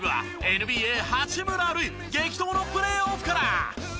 ＮＢＡ八村塁激闘のプレーオフから！